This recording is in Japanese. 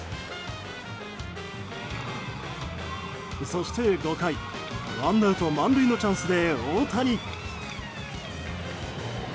そして５回、ワンアウト満塁のチャンスで大谷。